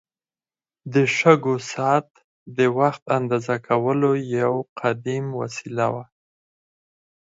د شګو ساعت د وخت اندازه کولو یو قدیم وسیله وه.